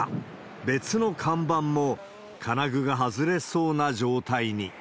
別の看板も金具が外れそうな状態に。